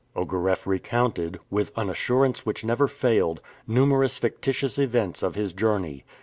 Ogareff recounted, with an assurance which never failed, numerous fictitious events of his journey.